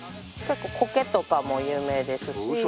コケとかも有名ですし。